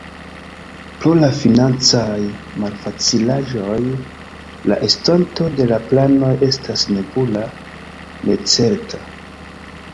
Pro la financaj malfacilaĵoj, la estonto de la planoj estas nebula, necerta.